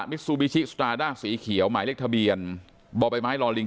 ซูบิชิสตราด้าสีเขียวหมายเลขทะเบียนบ่อใบไม้ลอลิง